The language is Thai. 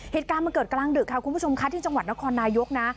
เหตุการณ์มันเกิดกลางดึกค่ะคุณผู้ชมค่ะที่จังหวัดนครนายกนะ